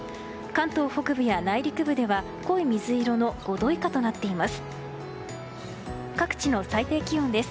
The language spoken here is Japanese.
関東北部や内陸部では濃い水色の５度以下となっています。